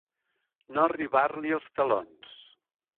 No arribar-li als talons.